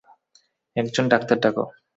একজন ডাক্তার ডাকো!